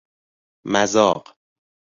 مذاق